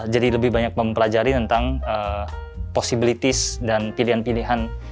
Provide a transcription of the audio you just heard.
jadi lebih banyak mempelajari tentang possibilities dan pilihan pilihan